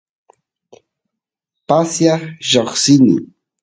pasiaq lloqsini